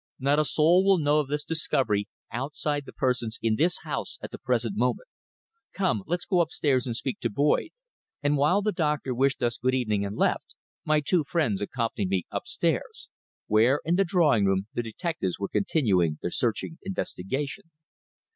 Not a soul will know of this discovery outside the persons in this house at the present moment. Come, let's go upstairs and speak to Boyd," and while the doctor wished us good evening and left, my two friends accompanied me upstairs, where in the drawing room the detectives were continuing their searching investigation.